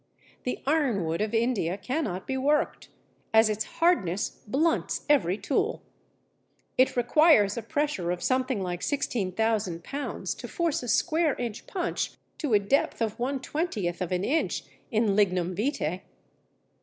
The Ironwood of India cannot be worked, as its hardness blunts every tool. It requires a pressure of something like 16,000 lb. to force a square inch punch to a depth of one twentieth of an inch in Lignum vitæ.